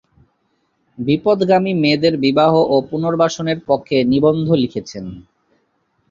বিপথগামী মেয়েদের বিবাহ ও পুনর্বাসনের পক্ষে নিবন্ধ লিখেছেন।